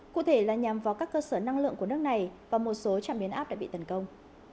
cụ thể là nhằm vào các cơ sở năng lượng của nước này và một số trạm biến áp đã bị tấn công